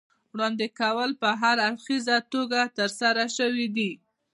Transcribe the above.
وړاندې کول په هراړخیزه توګه ترسره شوي دي.